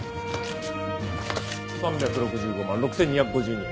３６５万６２５２円です。